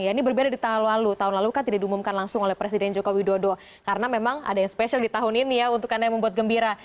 ini berbeda di tahun lalu tahun lalu kan tidak diumumkan langsung oleh presiden joko widodo karena memang ada yang spesial di tahun ini ya untuk anda yang membuat gembira